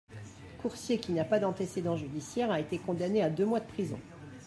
Coursier, qui n'a pas d'antécédents judiciaires, a été condamné à deux mois de prison.